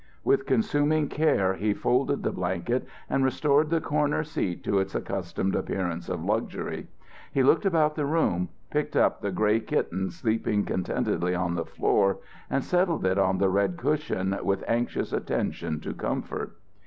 With consuming care he folded the blanket and restored the corner seat to its accustomed appearance of luxury. He looked about the room, picked up the grey kitten sleeping contentedly on the floor and settled it on the red cushion with anxious attention to comfort.